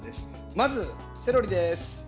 まず、セロリです。